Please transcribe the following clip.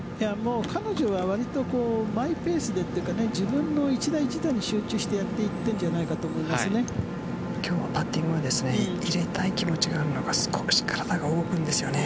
彼女はわりとマイペースというか自分の１打１打に集中してやっているんじゃないかと今日、バッティングは入れたい気持ちがあるのかすごく体が動くんですよ。